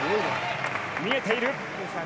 見えている。